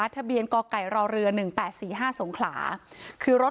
ทะเบียนกรก่ายรอเรือหนึ่งแปดสี่ห้าส่งขลาคือรถ